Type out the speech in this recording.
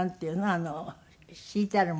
あの敷いてあるものが。